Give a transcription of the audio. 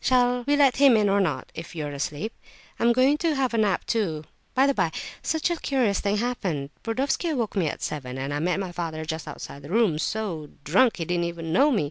Shall we let him in or not, if you are asleep? I'm going to have a nap, too. By the by, such a curious thing happened. Burdovsky woke me at seven, and I met my father just outside the room, so drunk, he didn't even know me.